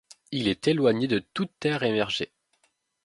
Il est éloigné de de toute terre émergée.